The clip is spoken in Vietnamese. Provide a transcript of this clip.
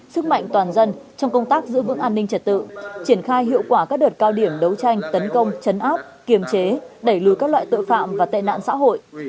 sức mạnh toàn dân trong công tác giữ vững an ninh trật tự triển khai hiệu quả các đợt cao điểm đấu tranh tấn công chấn áp kiềm chế đẩy lùi các loại tội phạm và tệ nạn xã hội